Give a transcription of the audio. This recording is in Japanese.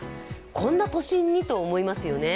こんな都心に？と思いますよね。